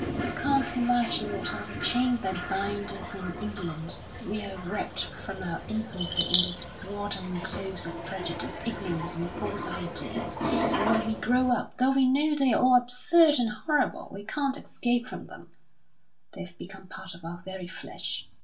You can't imagine what are the chains that bind us in England. We're wrapped from our infancy in the swaddling clothes of prejudice, ignorance, and false ideas; and when we grow up, though we know they're all absurd and horrible, we can't escape from them; they've become part of our very flesh.